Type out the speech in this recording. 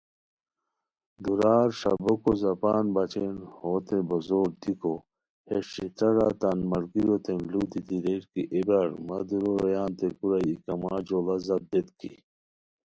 دُورار ݰابوکو زپان بچین ہوتین بو زوردیکو ہیس ݯھترارا تان ملگیریوتین لُودیتی ریر کی اے برار مہ دُورو رویانتین کورا ای کما جوڑا زپ دیت کی